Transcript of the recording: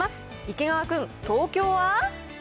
池川君、東京は？